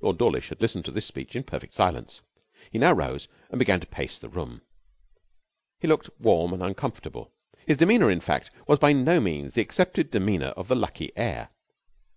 Lord Dawlish had listened to this speech in perfect silence. He now rose and began to pace the room. He looked warm and uncomfortable. His demeanour, in fact, was by no means the accepted demeanour of the lucky heir.